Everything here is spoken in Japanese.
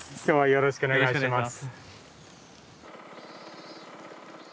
よろしくお願いします。